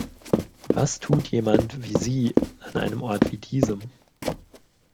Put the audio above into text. Was tut jemand wie Sie an einem Ort wie diesem?